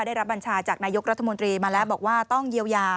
ได้รับบัญชาจากนายกรัฐมนตรีมาแล้วบอกว่าต้องเยียวยา